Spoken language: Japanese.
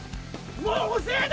もう遅えだ！